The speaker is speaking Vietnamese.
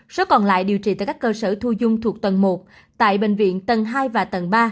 số còn lại điều trị tại các cơ sở thu dung thuộc tầng một tại bệnh viện tầng hai và tầng ba